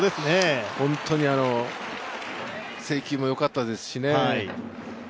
本当に制球もよかったですしね。